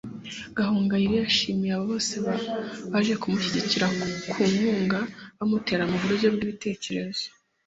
Gahongayire yashimiye aba bose baje kumushyigikira ku nkunga bamutera mu buryo bw’ibitekerezo